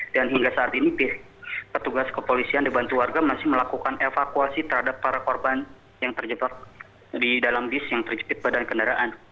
dan hingga saat ini petugas kepolisian dan bantu warga masih melakukan evakuasi terhadap para korban yang terjebak di dalam bis yang terjepit badan kendaraan